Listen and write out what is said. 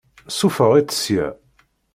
Ssufeɣ-itt ssya!